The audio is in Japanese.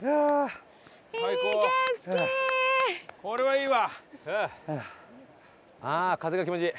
これはいいわ。